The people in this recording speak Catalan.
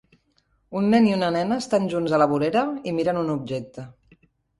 Un nen i una nena estan junts a la vorera i miren un objecte.